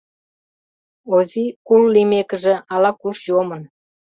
Ози, кул лиймекыже, ала-куш йомын.